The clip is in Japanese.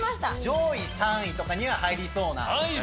上位３位とかには入りそうな。